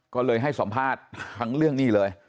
ก็เลยให้สัมภาษณ์ทั้งเรื่องนี้เลย